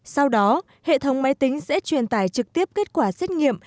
sau đó hệ thống máy tính sẽ truyền tải trực tiếp kết quả xét nghiệm